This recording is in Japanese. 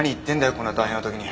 こんな大変な時に。